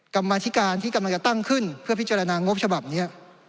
กรรมาธิการที่กำลังจะตั้งขึ้นเพื่อพิจารณางบฉบับนี้